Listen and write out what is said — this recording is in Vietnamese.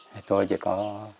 thế tôi chỉ có